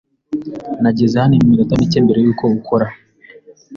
Nageze hano iminota mike mbere yuko ukora.